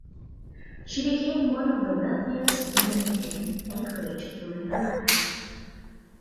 She became one of the wealthiest women in Anchorage during her life.